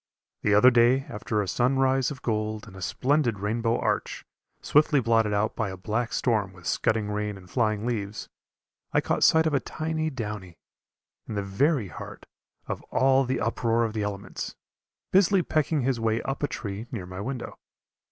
The other day after a sun rise of gold and a splendid rainbow arch, swiftly blotted out by a black storm with scudding rain and flying leaves, I caught sight of a tiny downy, in the very heart of all the uproar of the elements, busily pecking his way up a tree near my window.